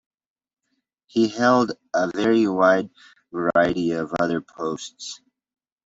He held a very wide variety of other posts.